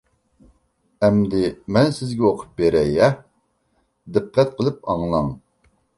ئەمدى مەن سىزگە ئوقۇپ بېرەي، ھە، دىققەت قىلىپ ئاڭلاڭ.